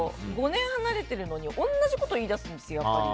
５年離れてるのに同じことを言いだすんですよ。